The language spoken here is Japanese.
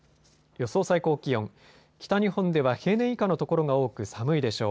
予想最高気温、北日本では平年以下の所が多く寒いでしょう。